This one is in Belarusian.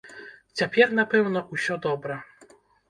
Цяпер, напэўна, усё добра!